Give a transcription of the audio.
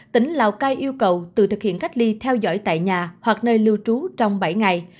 tỉnh lào cai yêu cầu từ thực hiện cách ly theo dõi tại nhà hoặc nơi lưu trú trong bảy ngày